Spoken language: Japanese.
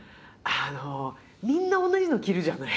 みんな同じの着るじゃない。